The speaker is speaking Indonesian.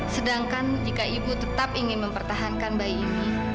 sedangkan jika ibu tetap ingin mempertahankan bayi ini